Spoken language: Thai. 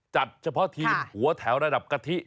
จัดเฉพาะทีมหัวแถวระดับกะทิ